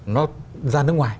nó ra nước ngoài